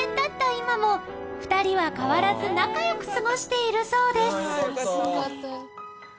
今も２人は変わらず仲良く過ごしているそうです